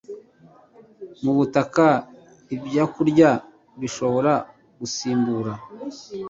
mu butaka ibyokurya bishobora gusimbura